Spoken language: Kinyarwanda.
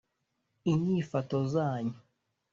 inyifato zanyu